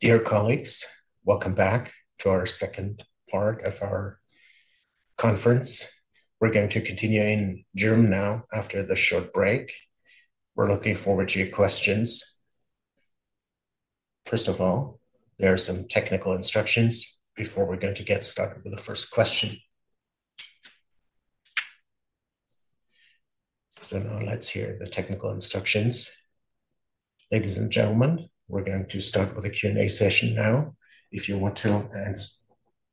Dear colleagues, welcome back to our second part of our conference. We're going to continue in German now after the short break. We're looking forward to your questions. First of all, there are some technical instructions before we're going to get started with the first question. So now let's hear the technical instructions. Ladies and gentlemen, we're going to start with a Q&A session now. If you want to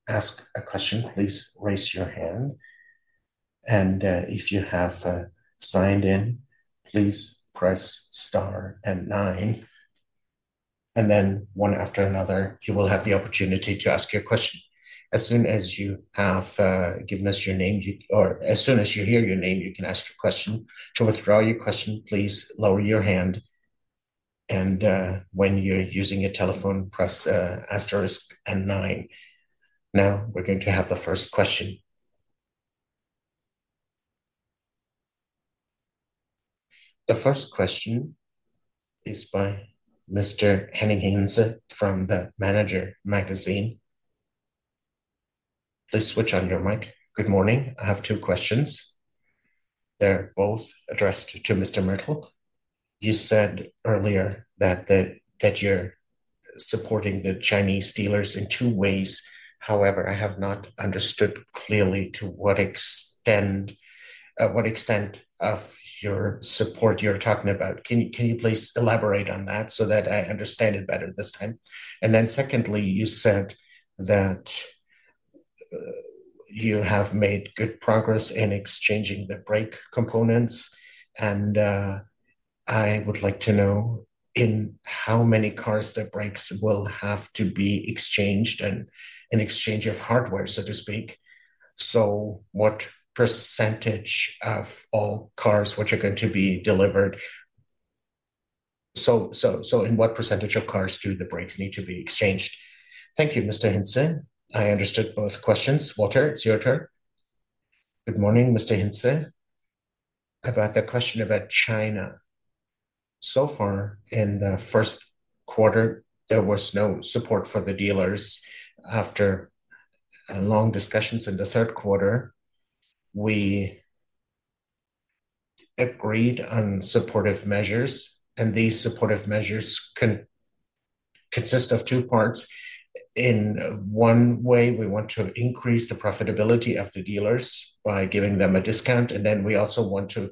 ask a question, please raise your hand. And if you have signed in, please press star and nine. And then one after another, you will have the opportunity to ask your question. As soon as you have given us your name, or as soon as you hear your name, you can ask your question. To withdraw your question, please lower your hand. And when you're using your telephone, press star six and nine. Now we're going to have the first question. The first question is by Mr. Henning Jauernig from the Manager Magazin. Please switch on your mic. Good morning. I have two questions. They're both addressed to Mr. Mertl. You said earlier that you're supporting the Chinese dealers in two ways. However, I have not understood clearly to what extent of your support you're talking about. Can you please elaborate on that so that I understand it better this time? And then secondly, you said that you have made good progress in exchanging the brake components. And I would like to know in how many cars the brakes will have to be exchanged and in exchange of hardware, so to speak. So what percentage of all cars which are going to be delivered? So in what percentage of cars do the brakes need to be exchanged? Thank you, Mr. Hansen. I understood both questions. Walter, it is your turn. Good morning, Mr. Hansen. About the question about China. So far in the Q1, there was no support for the dealers. After long discussions in the Q3, we agreed on supportive measures, and these supportive measures consist of two parts. In one way, we want to increase the profitability of the dealers by giving them a discount, and then we also want to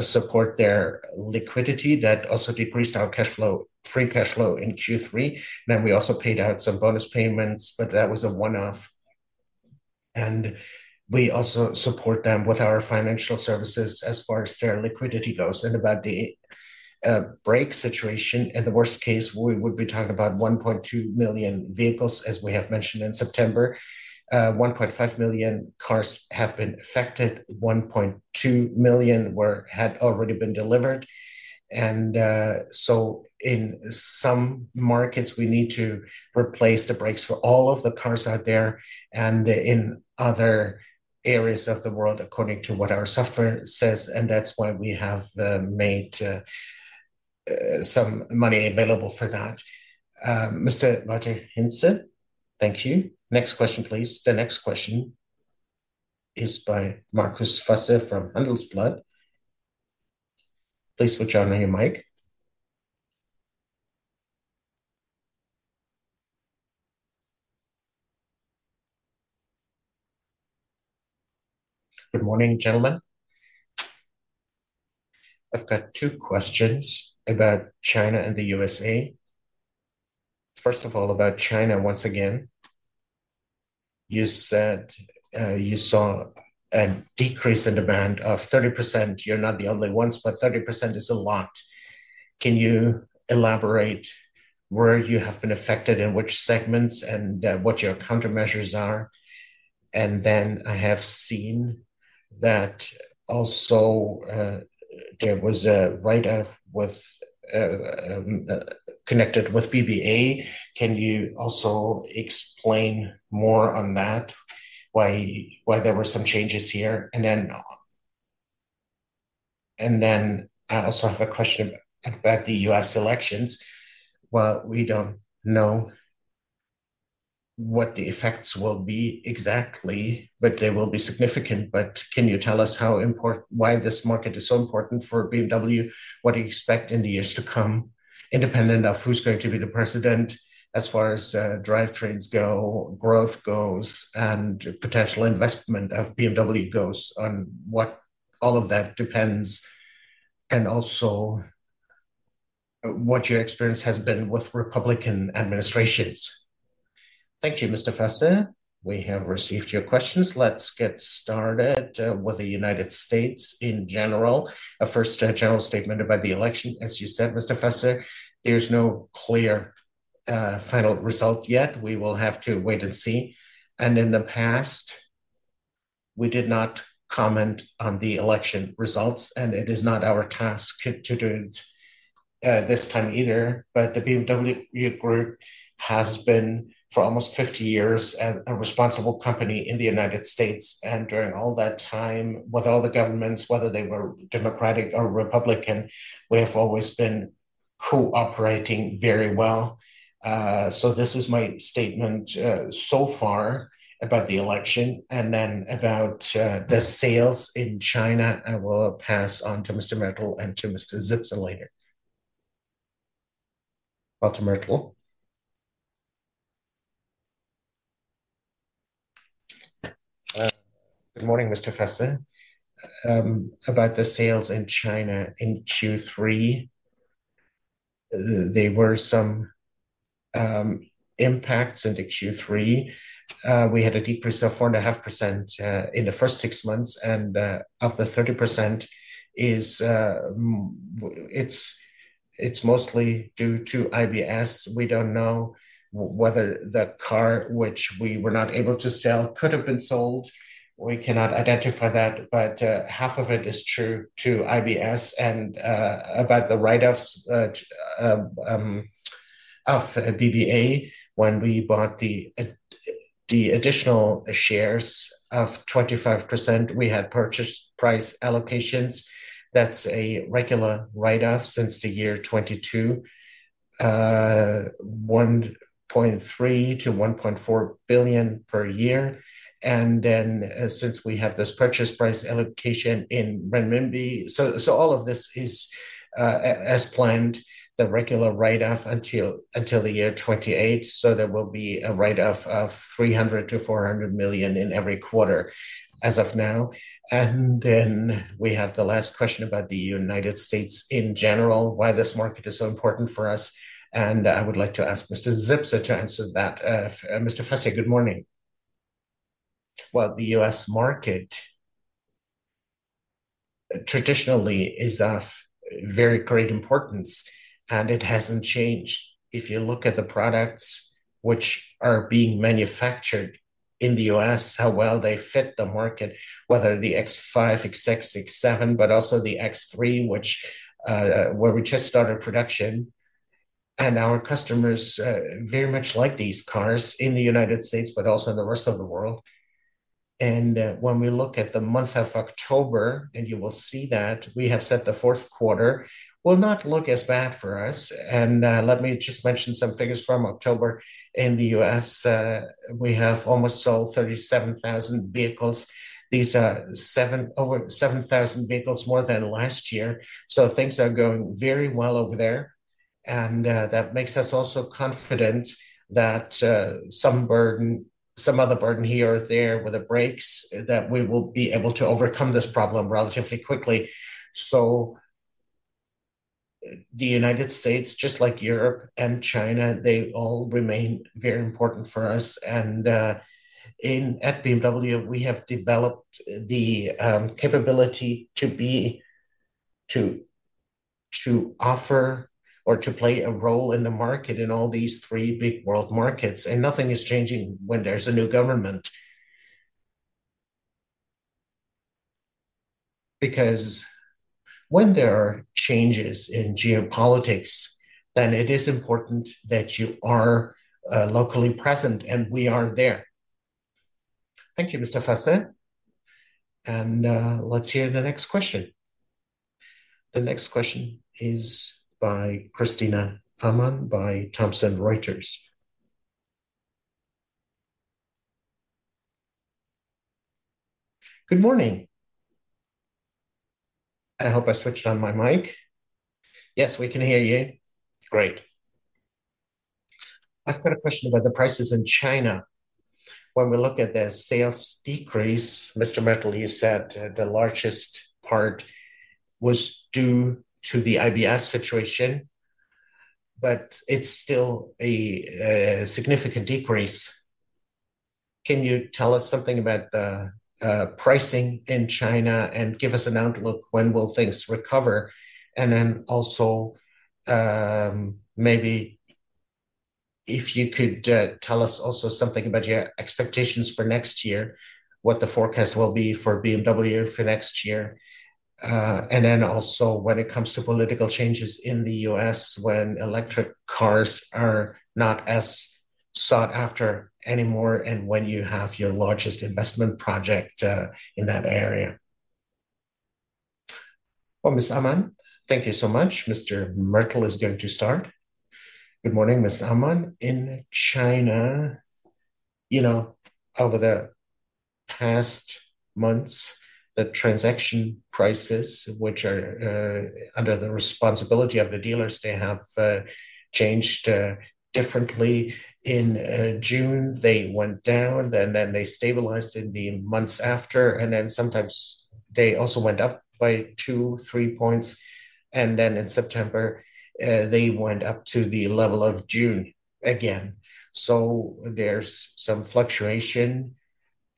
support their liquidity, that also decreased our free cash flow in Q3. And then we also paid out some bonus payments, but that was a one-off, and we also support them with our financial services as far as their liquidity goes. And about the brake situation, in the worst case, we would be talking about 1.2 million vehicles, as we have mentioned in September. 1.5 million cars have been affected. 1.2 million had already been delivered. And so in some markets, we need to replace the brakes for all of the cars out there and in other areas of the world, according to what our software says. And that's why we have made some money available for that. Mr. Henning Hansen, thank you. Next question, please. The next question is by Markus Fasse from Handelsblatt. Please switch on your mic. Good morning, gentlemen. I've got two questions about China and the USA. First of all, about China once again. You said you saw a decrease in demand of 30%. You're not the only ones, but 30% is a lot. Can you elaborate where you have been affected, in which segments, and what your countermeasures are? And then I have seen that also there was a write-off connected with BBA. Can you also explain more on that, why there were some changes here? Then I also have a question about the U.S. elections. We don't know what the effects will be exactly, but they will be significant. Can you tell us why this market is so important for BMW? What do you expect in the years to come, independent of who's going to be the president, as far as drivetrains go, growth goes, and potential investment of BMW goes on what all of that depends? Also what your experience has been with Republican adMinistrations? Thank you, Mr. Fasse. We have received your questions. Let's get started with the United States in general. A first general statement about the election. As you said, Mr. Fasse, there's no clear final result yet. We will have to wait and see. In the past, we did not comment on the election results. It is not our task to do this time either. The BMW Group has been, for almost 50 years, a responsible company in the United States. During all that time, with all the governments, whether they were Democratic or Republican, we have always been cooperating very well. This is my statement so far about the election. Then about the sales in China, I will pass on to Mr. Mertl and to Mr. Zipse later. Walter Mertl. Good morning, Mr. Fasse. About the sales in China in Q3, there were some impacts in Q3. We had a decrease of 4.5% in the first six months. Of the 30%, it's mostly due to IBS. We don't know whether the car, which we were not able to sell, could have been sold. We cannot identify that. Half of it is due to IBS. And about the write-offs of BBA, when we bought the additional shares of 25%, we had purchase price allocations. That's a regular write-off since the year 2022, 1.3 to 1.4 billion per year. And then since we have this purchase price allocation in RMB, so all of this is as planned, the regular write-off until the year 2028. So there will be a write-off of 300 to 400 million in every quarter as of now. And then we have the last question about the United States in general, why this market is so important for us. And I would like to ask Mr. Zipse to answer that. Mr. Fasse, good morning. Well, the U.S. market traditionally is of very great importance. And it hasn't changed. If you look at the products which are being manufactured in the U.S., how well they fit the market, whether the X5, X6, X7, but also the X3, where we just started production, and our customers very much like these cars in the United States, but also in the rest of the world, and when we look at the month of October, and you will see that we have said the Q4 will not look as bad for us, and let me just mention some figures from October. In the U.S., we have almost sold 37,000 vehicles. These are over 7,000 vehicles more than last year, so things are going very well over there, and that makes us also confident that some other burden here or there with the brakes, that we will be able to overcome this problem relatively quickly. So the United States, just like Europe and China, they all remain very important for us. And at BMW, we have developed the capability to offer or to play a role in the market in all these three big world markets. And nothing is changing when there's a new government. Because when there are changes in geopolitics, then it is important that you are locally present. And we are there. Thank you, Mr. Fasse. And let's hear the next question. The next question is by Christina Amann by Thomson Reuters. Good morning. I hope I switched on my mic. Yes, we can hear you. Great. I've got a question about the prices in China. When we look at their sales decrease, Mr. Mertl, you said the largest part was due to the IBS situation. But it's still a significant decrease. Can you tell us something about the pricing in China and give us an outlook when will things recover? And then also maybe if you could tell us also something about your expectations for next year, what the forecast will be for BMW for next year. And then also when it comes to political changes in the US, when electric cars are not as sought after anymore, and when you have your largest investment project in that area. Well, Ms. Amann, thank you so much. Mr. Mertl is going to start. Good morning, Ms. Amann. In China, over the past months, the transaction prices, which are under the responsibility of the dealers, they have changed differently. In June, they went down, and then they stabilized in the months after. And then sometimes they also went up by two, three points. In September, they went up to the level of June again. There's some fluctuation.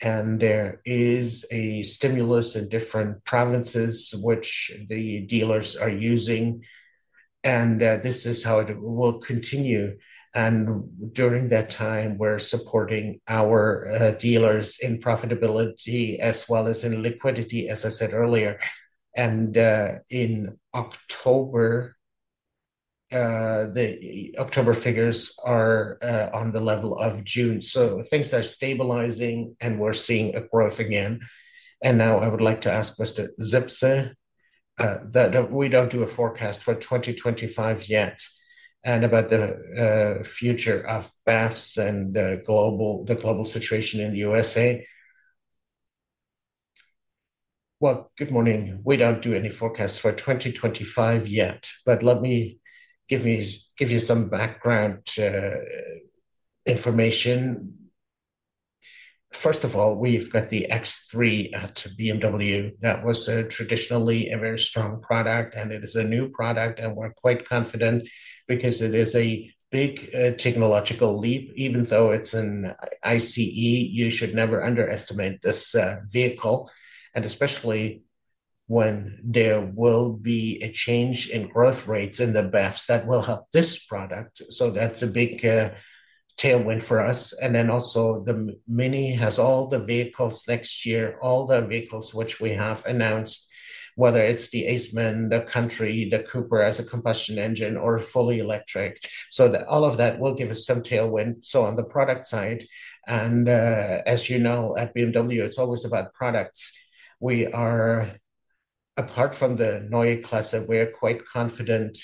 There is a stimulus in different provinces, which the dealers are using. This is how it will continue. During that time, we're supporting our dealers in profitability as well as in liquidity, as I said earlier. In October, the October figures are on the level of June. Things are stabilizing, and we're seeing a growth again. Now I would like to ask Mr. Zipse that we don't do a forecast for 2025 yet. About the future of BEVs and the global situation in the USA. Good morning. We don't do any forecasts for 2025 yet. Give me some background information. First of all, we've got the X3 at BMW. That was traditionally a very strong product. It is a new product. And we're quite confident because it is a big technological leap. Even though it's an ICE, you should never underestimate this vehicle. And especially when there will be a change in growth rates in the BEV, that will help this product. So that's a big tailwind for us. And then also the Mini has all the vehicles next year, all the vehicles which we have announced, whether it's the Aceman, the Countryman, the Cooper as a combustion engine, or fully electric. So all of that will give us some tailwind. So on the product side, and as you know, at BMW, it's always about products. Apart from the Neue Klasse, we are quite confident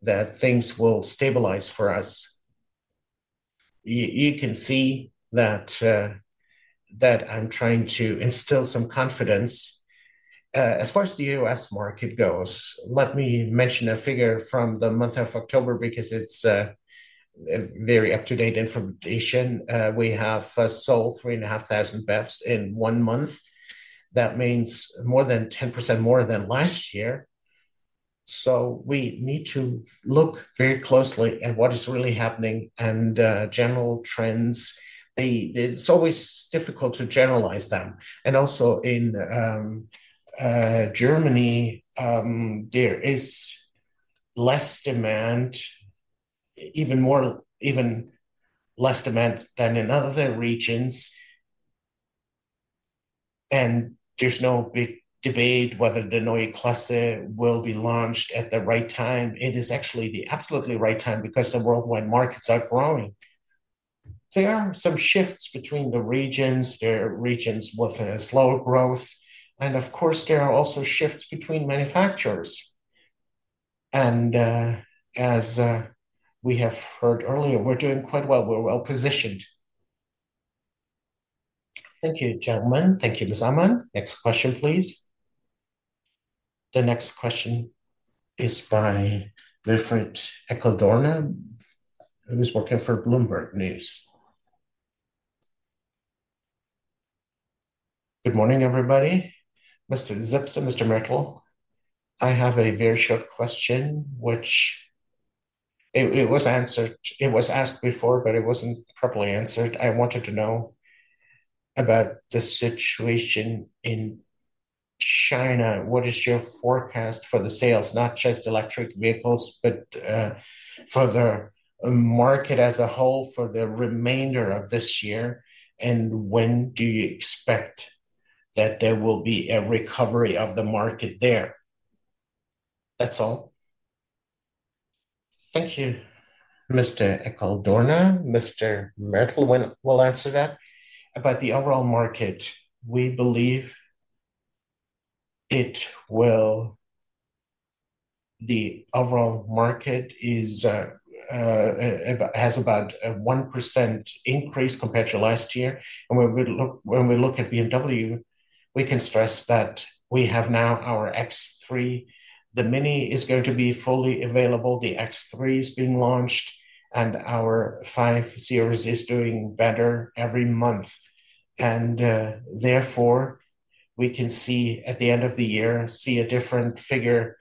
that things will stabilize for us. You can see that I'm trying to instill some confidence. As far as the US market goes, let me mention a figure from the month of October because it's very up-to-date information. We have sold 3,500 BEVs in one month. That means more than 10% more than last year. So we need to look very closely at what is really happening and general trends. It's always difficult to generalize them. And also in Germany, there is less demand, even less demand than in other regions. And there's no big debate whether the Neue Klasse will be launched at the right time. It is actually the absolutely right time because the worldwide markets are growing. There are some shifts between the regions. There are regions with slower growth. And of course, there are also shifts between manufacturers. And as we have heard earlier, we're doing quite well. We're well positioned. Thank you, gentlemen. Thank you, Ms. Amann. Next question, please. The next question is by Wilfried Eckl-Dorna, who's working for Bloomberg News. Good morning, everybody. Mr. Zipse, Mr. Mertl, I have a very short question, which it was asked before, but it wasn't properly answered. I wanted to know about the situation in China. What is your forecast for the sales, not just electric vehicles, but for the market as a whole for the remainder of this year? And when do you expect that there will be a recovery of the market there? That's all. Thank you, Mr. Eckl-Dorna. Mr. Mertl will answer that. About the overall market, we believe the overall market has about a 1% increase compared to last year. And when we look at BMW, we can stress that we have now our X3. The Mini is going to be fully available. The X3 is being launched. And our 5 Series is doing better every month. And therefore, we can see at the end of the year, see a different figure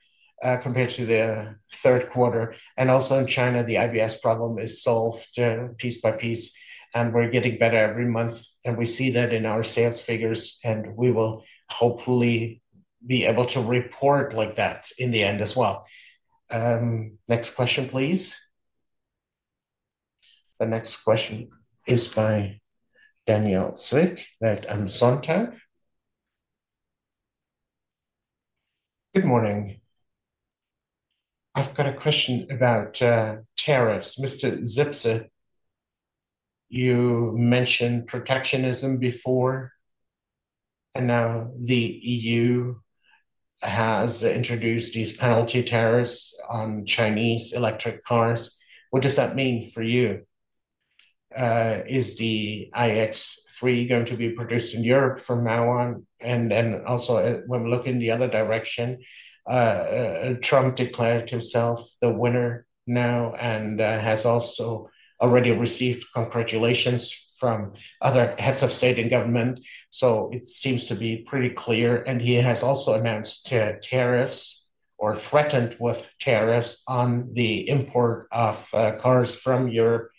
compared to the Q3. And also in China, the IBS problem is solved piece by piece. And we're getting better every month. And we see that in our sales figures. And we will hopefully be able to report like that in the end as well. Next question, please. The next question is by Daniel Zwick at Welt am Sonntag. Good morning. I've got a question about tariffs. Mr. Zipse, you mentioned protectionism before. And now the EU has introduced these penalty tariffs on Chinese electric cars. What does that mean for you? Is the iX3 going to be produced in Europe from now on? And then also when we look in the other direction, Trump declared himself the winner now and has also already received congratulations from other heads of state and government. It seems to be pretty clear. He has also announced tariffs or threatened with tariffs on the import of cars from Europe.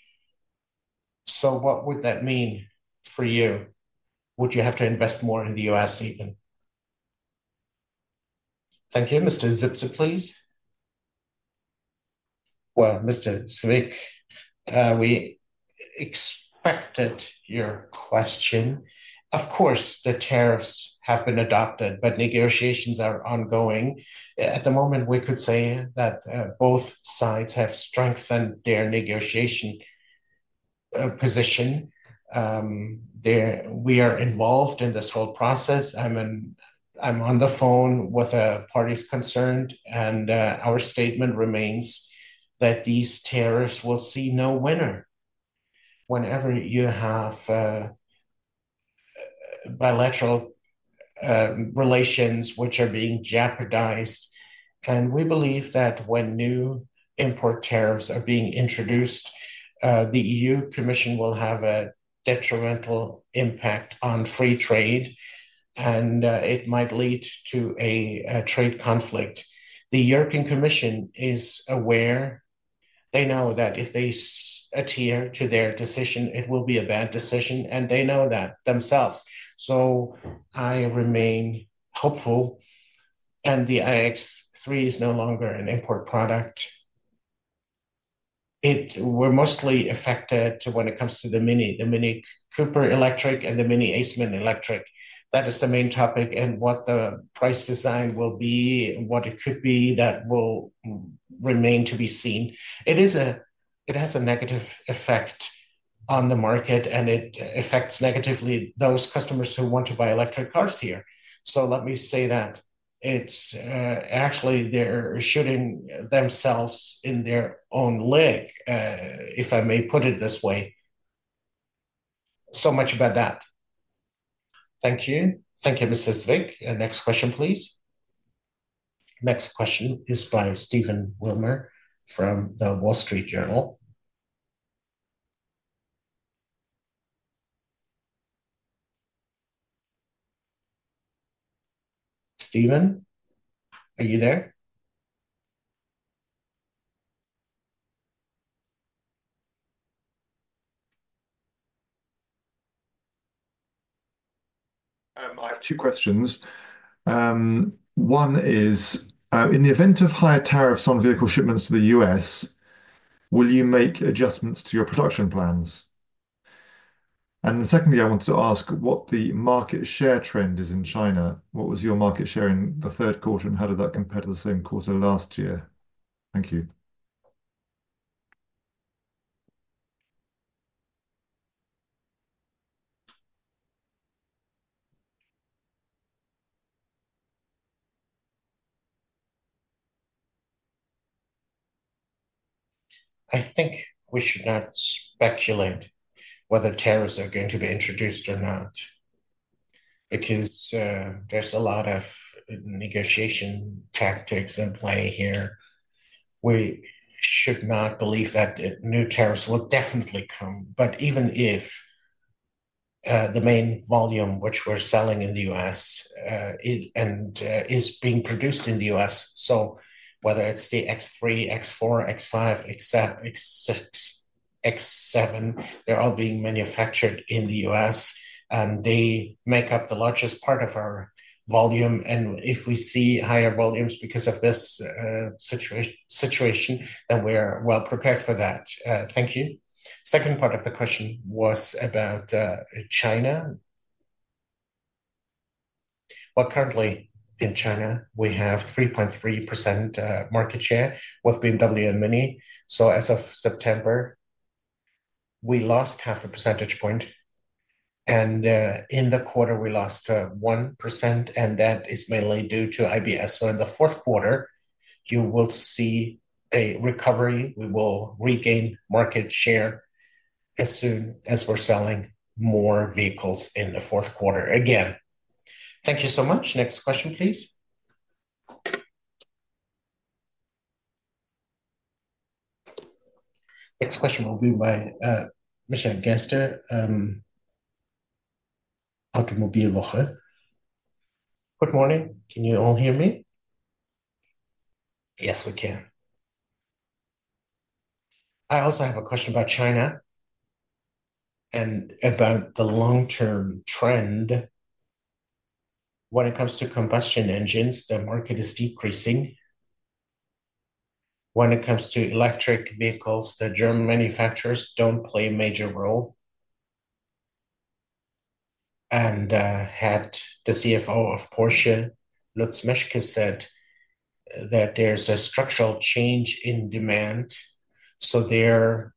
What would that mean for you? Would you have to invest more in the U.S. even? Thank you. Mr. Zipse, please. Mr. Zwick, we expected your question. Of course, the tariffs have been adopted, but negotiations are ongoing. At the moment, we could say that both sides have strengthened their negotiation position. We are involved in this whole process. I'm on the phone with parties concerned. Our statement remains that these tariffs will see no winner. Whenever you have bilateral relations which are being jeopardized, and we believe that when new import tariffs are being introduced, the EU Commission will have a detrimental impact on free trade. It might lead to a trade conflict. The European Commission is aware. They know that if they adhere to their decision, it will be a bad decision and they know that themselves, so I remain hopeful and the iX3 is no longer an import product. We're mostly affected when it comes to the Mini, the Mini Cooper electric, and the Mini Aceman electric. That is the main topic. And what the price design will be, what it could be, that will remain to be seen. It has a negative effect on the market. And it affects negatively those customers who want to buy electric cars here. So let me say that it's actually they're shooting themselves in their own leg, if I may put it this way. So much about that. Thank you. Thank you, Mr. Zwick. Next question, please. Next question is by Stephen Wilmot from The Wall Street Journal. Stephen, are you there? I have two questions. One is, in the event of higher tariffs on vehicle shipments to the U.S., will you make adjustments to your production plans? And secondly, I want to ask what the market share trend is in China. What was your market share in the Q3? And how did that compare to the same quarter last year? Thank you. I think we should not speculate whether tariffs are going to be introduced or not because there's a lot of negotiation tactics in play here. We should not believe that new tariffs will definitely come. But even if the main volume which we're selling in the U.S. is being produced in the U.S., so whether it's the X3, X4, X5, X6, X7, they're all being manufactured in the U.S. And they make up the largest part of our volume. If we see higher volumes because of this situation, then we're well prepared for that. Thank you. Second part of the question was about China. Well, currently in China, we have 3.3% market share with BMW and Mini. So as of September, we lost half a percentage point. And in the quarter, we lost 1%. And that is mainly due to IBS. So in the Q4, you will see a recovery. We will regain market share as soon as we're selling more vehicles in the Q4 again. Thank you so much. Next question, please. Next question will be by Michael Gerster, Automobilwoche. Good morning. Can you all hear me? Yes, we can. I also have a question about China and about the long-term trend. When it comes to combustion engines, the market is decreasing. When it comes to electric vehicles, the German manufacturers don't play a major role, and had the CFO of Porsche, Lutz Meschke, said that there's a structural change in demand, so they're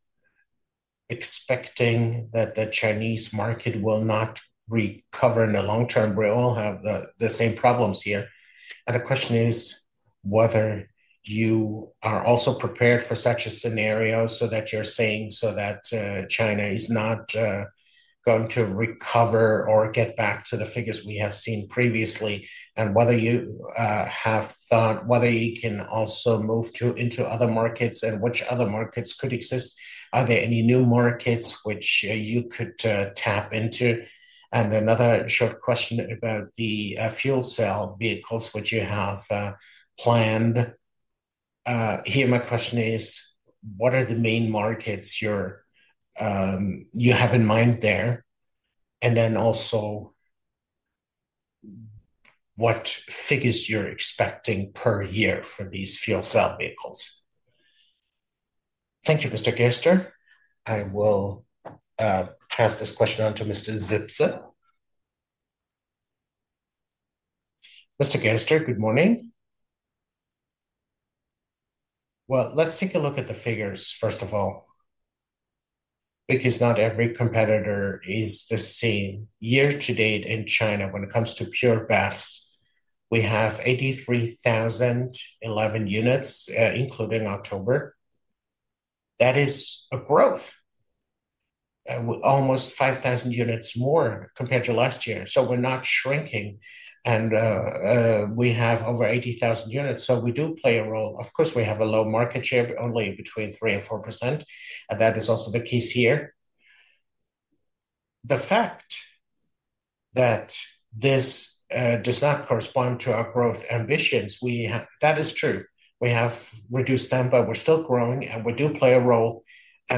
expecting that the Chinese market will not recover in the long term, we all have the same problems here, and the question is whether you are also prepared for such a scenario so that you're saying so that China is not going to recover or get back to the figures we have seen previously and whether you have thought whether you can also move into other markets and which other markets could exist. Are there any new markets which you could tap into, and another short question about the fuel cell vehicles which you have planned. Here, my question is, what are the main markets you have in mind there? And then also, what figures you're expecting per year for these fuel cell vehicles? Thank you, Mr. Gerster. I will pass this question on to Mr. Zipse. Mr. Gerster, good morning. Well, let's take a look at the figures, first of all, because not every competitor is the same. Year-to-date in China, when it comes to pure BEV, we have 83,011 units, including October. That is a growth, almost 5,000 units more compared to last year. So we're not shrinking. And we have over 80,000 units. So we do play a role. Of course, we have a low market share, but only between 3% to 4%. And that is also the case here. The fact that this does not correspond to our growth ambitions, that is true. We have reduced them, but we're still growing. And we do play a role.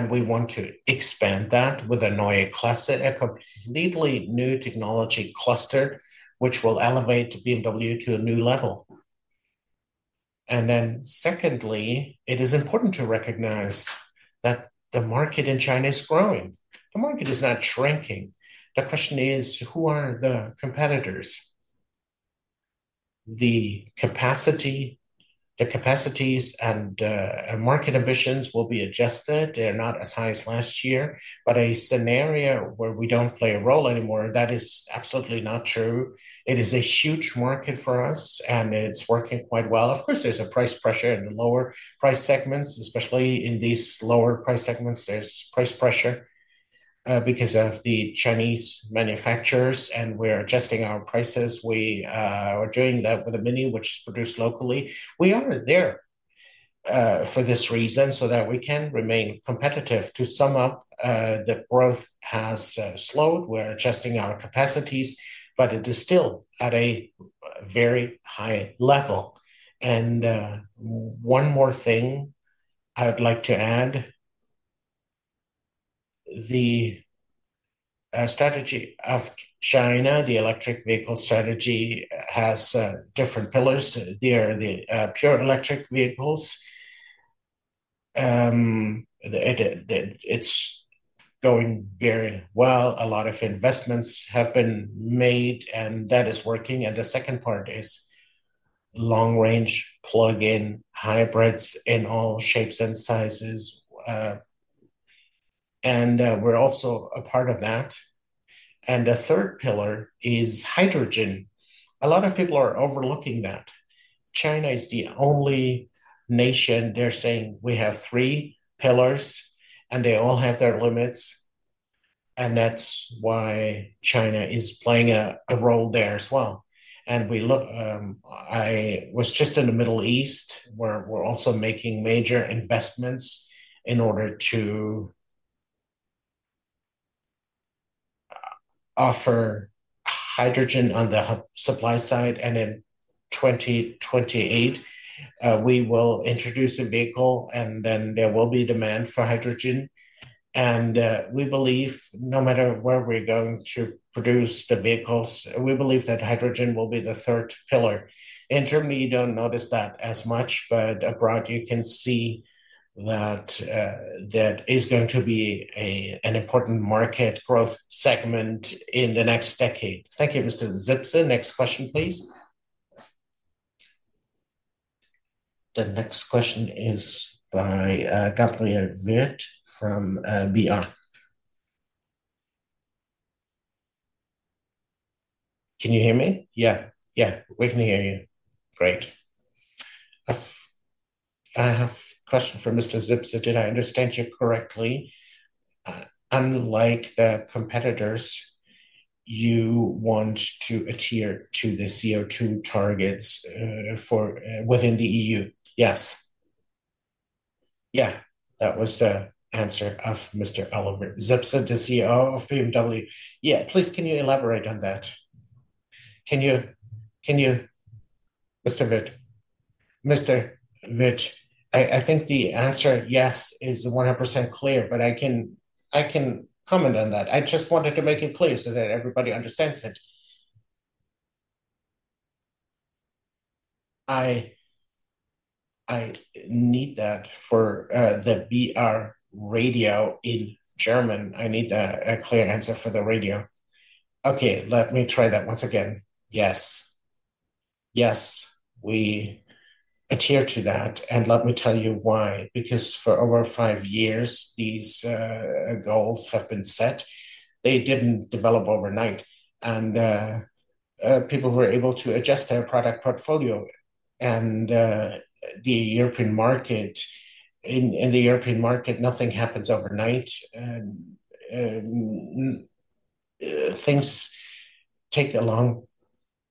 We want to expand that with a Neue Klasse, a completely new technology cluster, which will elevate BMW to a new level. Then secondly, it is important to recognize that the market in China is growing. The market is not shrinking. The question is, who are the competitors? The capacities and market ambitions will be adjusted. They're not as high as last year. A scenario where we don't play a role anymore, that is absolutely not true. It is a huge market for us. It's working quite well. Of course, there's a price pressure in the lower price segments, especially in these lower price segments. There's price pressure because of the Chinese manufacturers. We're adjusting our prices. We are doing that with a Mini, which is produced locally. We are there for this reason so that we can remain competitive. To sum up, the growth has slowed. We're adjusting our capacities. But it is still at a very high level. And one more thing I would like to add, the strategy of China, the electric vehicle strategy, has different pillars. There are the pure electric vehicles. It's going very well. A lot of investments have been made. And that is working. And the second part is long-range plug-in hybrids in all shapes and sizes. And we're also a part of that. And the third pillar is hydrogen. A lot of people are overlooking that. China is the only nation. They're saying we have three pillars. And they all have their limits. And that's why China is playing a role there as well. And I was just in the Middle East, where we're also making major investments in order to offer hydrogen on the supply side. And in 2028, we will introduce a vehicle. And then there will be demand for hydrogen. And we believe, no matter where we're going to produce the vehicles, we believe that hydrogen will be the third pillar. In Germany, you don't notice that as much. But abroad, you can see that that is going to be an important market growth segment in the next decade. Thank you, Mr. Zipse. Next question, please. The next question is by Gabriel Wirth from BR. Can you hear me? Yeah. Yeah. We can hear you. Great. I have a question for Mr. Zipse. Did I understand you correctly? Unlike the competitors, you want to adhere to the CO2 targets within the EU. Yes. Yeah. That was the answer of Mr. Oliver Zipse, the CEO of BMW. Yeah. Please, can you elaborate on that? Can you, Mr. Wirth? Mr. Wirth, I think the answer, yes, is 100% clear. But I can comment on that. I just wanted to make it clear so that everybody understands it. I need that for the BR radio in German. I need a clear answer for the radio. Okay. Let me try that once again. Yes. Yes. We adhere to that. And let me tell you why. Because for over five years, these goals have been set. They didn't develop overnight. And people were able to adjust their product portfolio. And in the European market, nothing happens overnight. Things take a long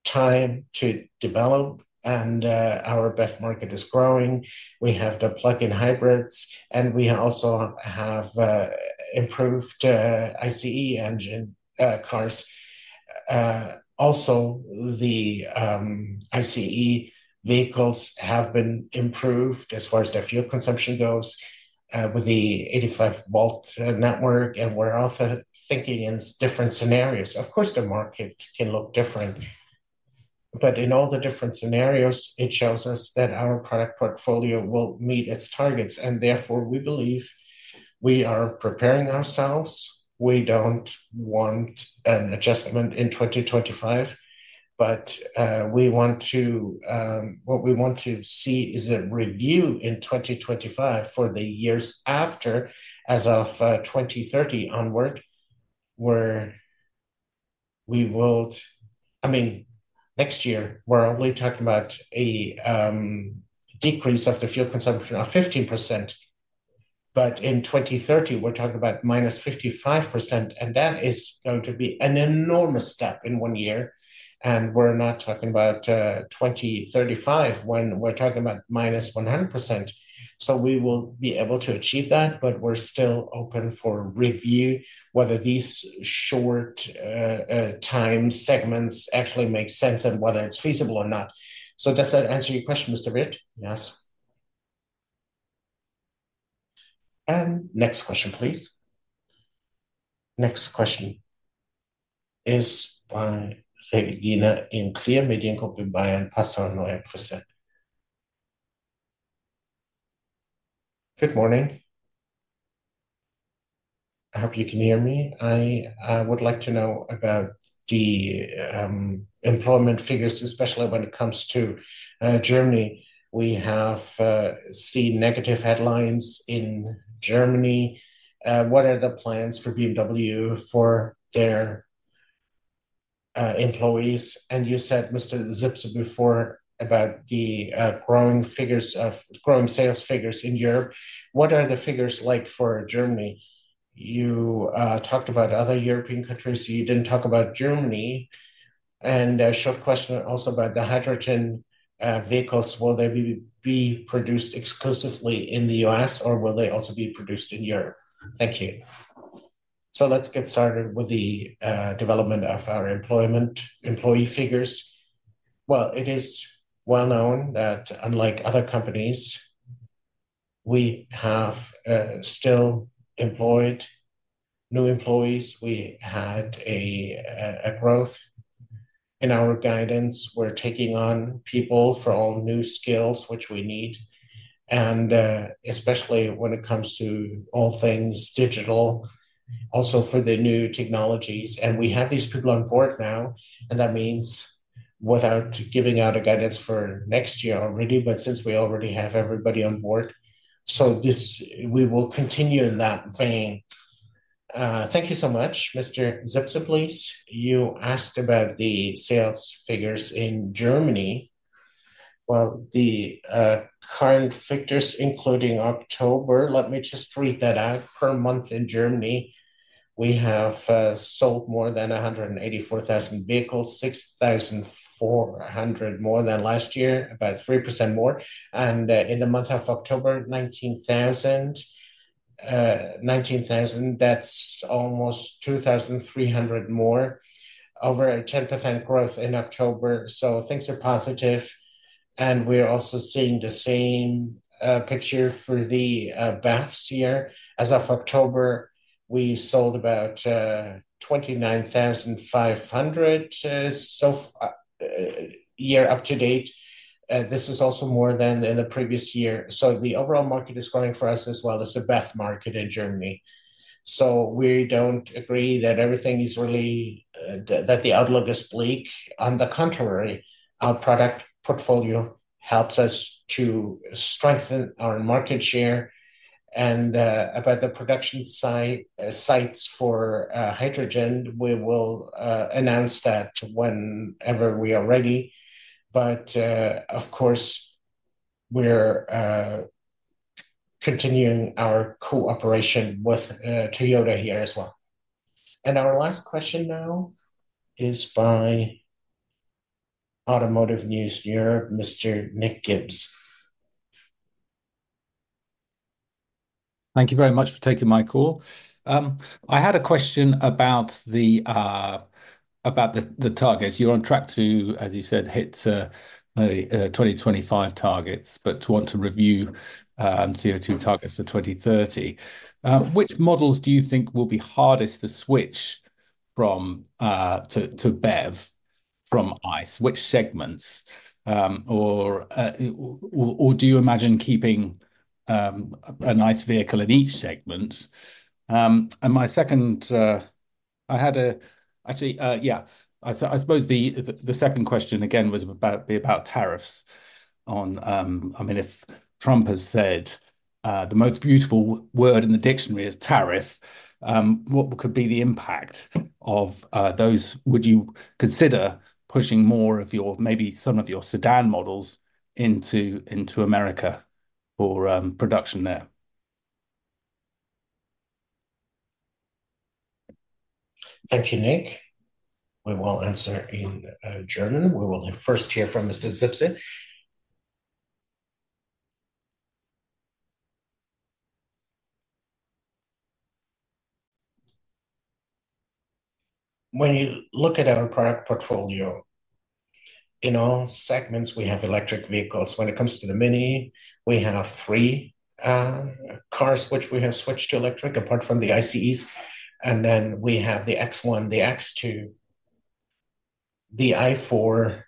time to develop. And our BEV market is growing. We have the plug-in hybrids. And we also have improved ICE engine cars. Also, the ICE vehicles have been improved as far as their fuel consumption goes with the 48-volt network. And we're also thinking in different scenarios. Of course, the market can look different. But in all the different scenarios, it shows us that our product portfolio will meet its targets. And therefore, we believe we are preparing ourselves. We don't want an adjustment in 2025. But what we want to see is a review in 2025 for the years after, as of 2030 onward, where we will—I mean, next year, we're only talking about a decrease of the fuel consumption of 15%. But in 2030, we're talking about minus 55%. And that is going to be an enormous step in one year. And we're not talking about 2035 when we're talking about minus 100%. So we will be able to achieve that. But we're still open for review whether these short-term segments actually make sense and whether it's feasible or not. So does that answer your question, Mr. Wirth? Yes. Next question, please. Next question is by Regina Ehm-Klier, Mediengruppe Bayern, Passauer Neue Presse. Good morning. I hope you can hear me. I would like to know about the employment figures, especially when it comes to Germany. We have seen negative headlines in Germany. What are the plans for BMW for their employees? And you said, Mr. Zipse, before about the growing sales figures in Europe. What are the figures like for Germany? You talked about other European countries. You didn't talk about Germany. And a short question also about the hydrogen vehicles. Will they be produced exclusively in the U.S., or will they also be produced in Europe? Thank you. So let's get started with the development of our employee figures. Well, it is well known that unlike other companies, we have still employed new employees. We had a growth in our guidance. We're taking on people for all new skills, which we need, and especially when it comes to all things digital, also for the new technologies. And we have these people on board now. And that means without giving out a guidance for next year already, but since we already have everybody on board, so we will continue in that vein. Thank you so much. Mr. Zipse, please. You asked about the sales figures in Germany. Well, the current figures, including October, let me just read that out. Per month in Germany, we have sold more than 184,000 vehicles, 6,400 more than last year, about 3% more. And in the month of October, 19,000. 19,000, that's almost 2,300 more, over a 10% growth in October. So things are positive. And we're also seeing the same picture for the BEVs here. As of October, we sold about 29,500 year to date. This is also more than in the previous year. So the overall market is growing for us as well as the BEV market in Germany. So we don't agree that everything is really that the outlook is bleak. On the contrary, our product portfolio helps us to strengthen our market share. And about the production sites for hydrogen, we will announce that whenever we are ready. But of course, we're continuing our cooperation with Toyota here as well. And our last question now is by Automotive News Europe, Mr. Nick Gibbs. Thank you very much for taking my call. I had a question about the targets. You're on track to, as you said, hit the 2025 targets, but to want to review CO2 targets for 2030. Which models do you think will be hardest to switch to BEV from ICE? Which segments? Or do you imagine keeping an ICE vehicle in each segment? And my second, actually, yeah. I suppose the second question again would be about tariffs. I mean, if Trump has said the most beautiful word in the dictionary is tariff, what could be the impact of those? Would you consider pushing more of your, maybe some of your sedan models into America for production there? Thank you, Nick. We will answer in German. We will first hear from Mr. Zipse. When you look at our product portfolio, in all segments, we have electric vehicles. When it comes to the Mini, we have three cars which we have switched to electric, apart from the ICEs. And then we have the X1, the X2, the i4.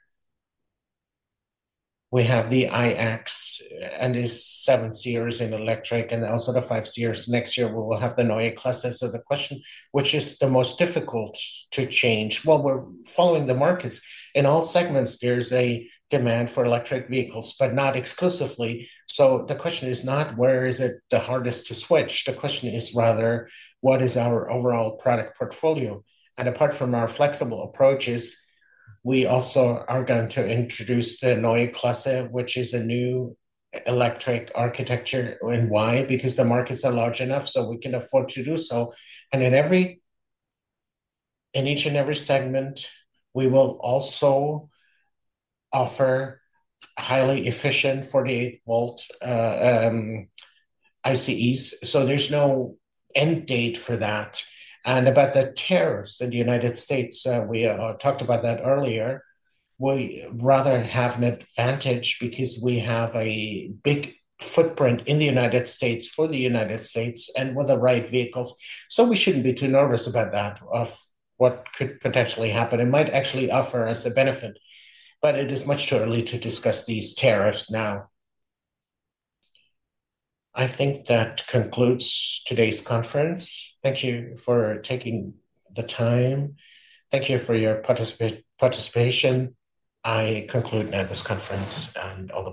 We have the iX and the 7 Series in electric. And also the 5 Series. Next year, we will have the Neue Klasse. So the question, which is the most difficult to change? Well, we're following the markets. In all segments, there's a demand for electric vehicles, but not exclusively. So the question is not, where is it the hardest to switch? The question is rather, what is our overall product portfolio? And apart from our flexible approaches, we also are going to introduce the Neue Klasse, which is a new electric architecture. And why? Because the markets are large enough, so we can afford to do so. And in each and every segment, we will also offer highly efficient 48-volt ICEs. So there's no end date for that. And about the tariffs in the United States, we talked about that earlier. We rather have an advantage because we have a big footprint in the United States for the United States and with the right vehicles. So we shouldn't be too nervous about that of what could potentially happen. It might actually offer us a benefit. But it is much too early to discuss these tariffs now. I think that concludes today's conference. Thank you for taking the time. Thank you for your participation. I conclude now this conference and all the.